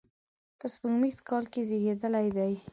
په سپوږمیز کال کې زیږېدلی دی.